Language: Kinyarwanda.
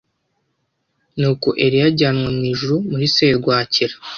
Nuko Eliya ajyanwa mu ijuru muri serwakira.